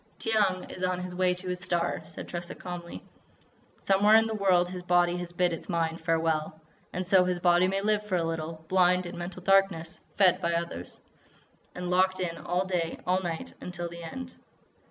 "Tiyang is on his way to his star," said Tressa calmly. "Somewhere in the world his body has bid its mind farewell.... And so his body may live for a little, blind, in mental darkness, fed by others, and locked in all day, all night, until the end."